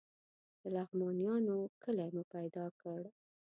د لغمانیانو کلی مو پیدا کړ.